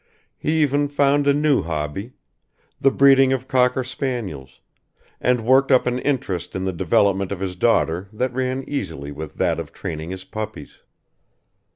He even found a new hobby: the breeding of Cocker spaniels, and worked up an interest in the development of his daughter that ran easily with that of training his puppies.